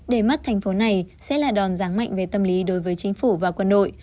để mắt thành phố này sẽ là đòn ráng mạnh về tâm lý đối với chính phủ và quân đội